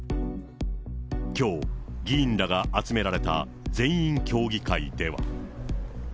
きょう、議員らが集められた全員協議会では。